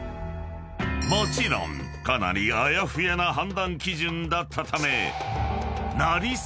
［もちろんかなりあやふやな判断基準だったため］